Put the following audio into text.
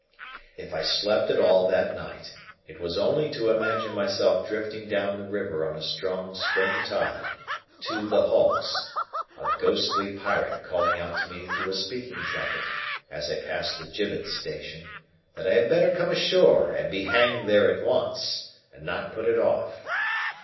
If I slept at all that night, it was only to imagine myself drifting down the river on a strong spring tide, to the Hulks; a ghostly pirate calling out to me through a speaking trumpet, as I passed the gibbet station, that I had better come ashore and be hanged there at once, and not put it off.